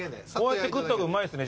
こうやって食った方がうまいんすね